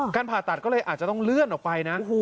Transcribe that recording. ผ่าตัดก็เลยอาจจะต้องเลื่อนออกไปนะ